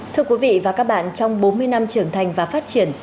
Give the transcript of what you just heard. thưa quý vị và các bạn trong bốn mươi năm trưởng thành và phát triển